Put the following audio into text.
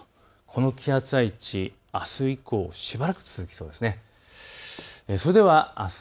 この気圧配置、あす以降しばらく続きそうです。